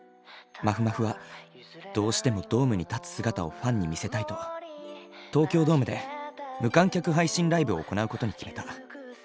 まふまふはどうしてもドームに立つ姿をファンに見せたいと東京ドームで無観客配信ライブを行うことに決めた。